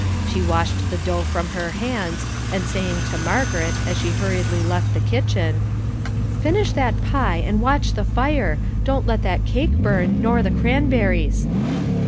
She washed the dough from her hands, and saying to Margaret, as she hurriedly left the kitchen: "Finish that pie, and watch the fire; don't let that cake burn, nor the cranberries."